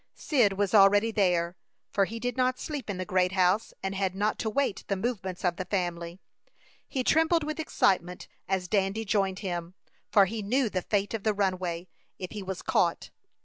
Cyd was already there, for he did not sleep in the great house, and had not to wait the movements of the family. He trembled with excitement as Dandy joined him, for he knew the fate of the runaway if he was caught.